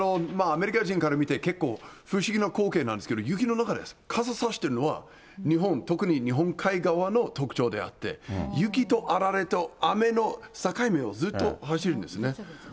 アメリカ人から見て、結構、不思議な光景なんですけども、雪の中で傘差しているのは、日本、特に日本海側の特徴であって、雪とあられと雨の境目をずっと。